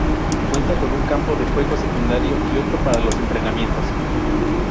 Cuenta con un campo de juego secundario y otro para los entrenamientos.